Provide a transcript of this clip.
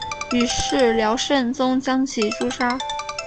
于是辽圣宗将其诛杀。